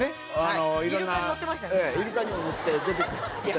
イルカにも乗って出てくる。